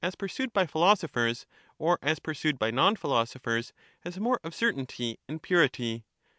633 pursued by philosophers, or as pursued by non philosophers, PhiUims, has more of certainty and purity